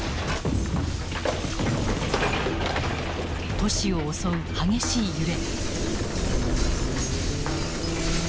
都市を襲う激しい揺れ。